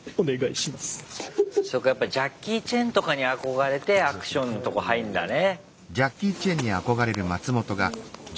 そうかやっぱジャッキー・チェンとかに憧れてアクションのとこ入るんだね。